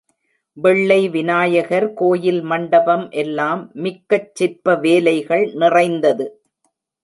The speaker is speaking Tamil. வெள்ளை விநாயகர் கோயில் மண்டபம் எல்லாம் மிக்கச் சிற்ப வேலைகள் நிறைந்தது.